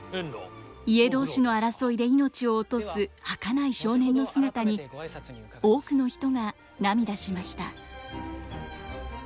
家同士の争いで命を落とすはかない少年の姿に多くの人が涙しました。